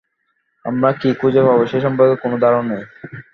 আমরা কী খুঁজে পাব সে সম্পর্কে কোন ধারণা নেই।